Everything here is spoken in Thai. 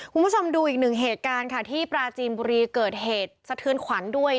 คุณผู้ชมดูอีกหนึ่งเหตุการณ์ค่ะที่ปราจีนบุรีเกิดเหตุสะเทือนขวัญด้วย